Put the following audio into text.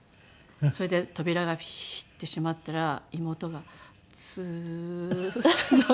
それで扉がピーッて閉まったら妹がツーッと涙を流して。